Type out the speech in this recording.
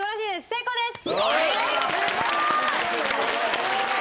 成功です。